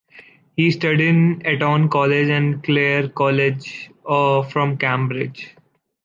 He studied in Eton College and Clare College from Cambridge.